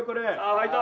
ファイト。